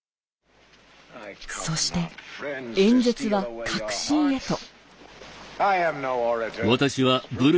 そして演説は核心へと。